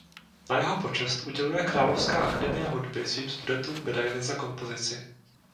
Na jeho počest uděluje Královská akademie hudby svým studentům medaili za kompozici.